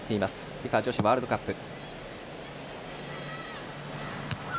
ＦＩＦＡ女子ワールドカップ。